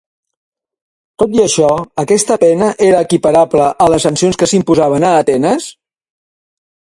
Tot i això, aquesta pena era equiparable a les sancions que s'imposaven a Atenes?